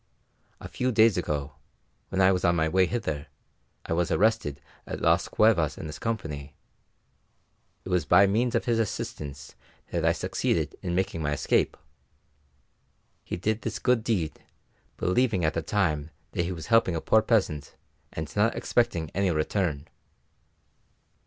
A few days ago, when I was on my way hither, I was arrested at Las Cuevas in his company; it was by means of his assistance that I succeeded in making my escape. He did this good deed, believing at the time that he was helping a poor peasant, and not expecting any return."